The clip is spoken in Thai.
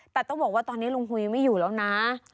แต่ต้องบอกว่าตอนนี้ลุงหุยไม่อยู่แล้วนะ